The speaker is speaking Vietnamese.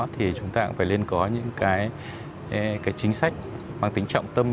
thì chúng ta cũng phải nên có những chính sách bằng tính trọng tâm